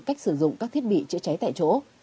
cách sử dụng các thiết bị chữa cháy tại chỗ